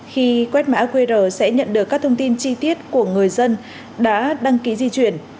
khi quét mã qr sẽ nhận được các thông tin chi tiết của người dân đã đăng ký di chuyển